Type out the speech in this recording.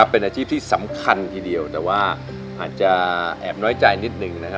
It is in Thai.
เป็นอาชีพที่สำคัญทีเดียวแต่ว่าอาจจะแอบน้อยใจนิดนึงนะครับ